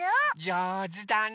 じょうずだね。